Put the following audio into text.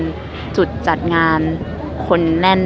ที่เป็นจุดจัดงานคนแน่นมากเลยค่ะ